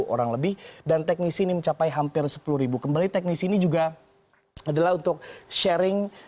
orang lebih dan teknisi ini mencapai hampir sepuluh ribu kembali teknis ini juga adalah untuk sharing